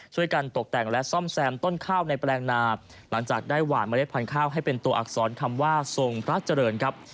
ช่วยกันตกแต่งและซ่อมแซมต้นข้าวในแปลงนาหลังจากได้หวานเมล็ดพันธุ์ข้าวให้เป็นตัวอักษรคำว่าทรงพระเจริญครับ